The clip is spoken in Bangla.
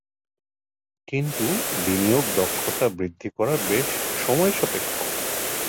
কিন্তু বিনিয়োগের দক্ষতা বৃদ্ধি করা বেশ সময়সাপেক্ষ।